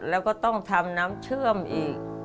แล้วก็ต้องทำน้ำเชื่อมอีก